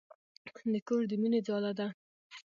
د کور د مينې ځاله ده.